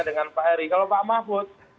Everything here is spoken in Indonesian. dengan pak eri kalau pak mahfud